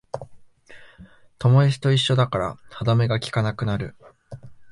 友達と一緒だから歯止めがきかなくなる